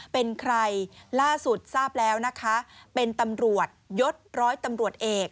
เป็นใครล่าสุดทราบแล้วนะคะเป็นตำรวจยศร้อยตำรวจเอก